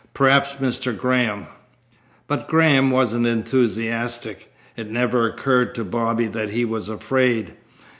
Perhaps Mr. Graham " But Graham wasn't enthusiastic. It never occurred to Bobby that he was afraid.